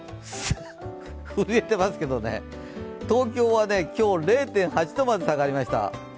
震えていますけどね、東京は今日、０．８度まで下がりました。